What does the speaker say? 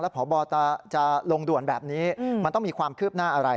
พบจะลงด่วนแบบนี้มันต้องมีความคืบหน้าอะไร